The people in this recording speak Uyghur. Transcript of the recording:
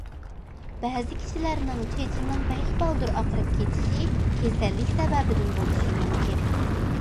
بەزى كىشىلەرنىڭ چېچىنىڭ بەك بالدۇر ئاقىرىپ كېتىشى كېسەللىك سەۋەبىدىن بولۇشى مۇمكىن.